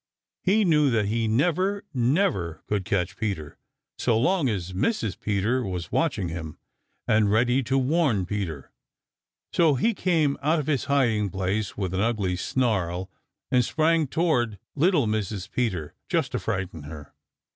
He knew that he never, never could catch Peter so long as Mrs. Peter was watching him and ready to warn Peter, So he came out of his hiding place with an ugly snarl and sprang toward little Mrs. Peter just to frighten her.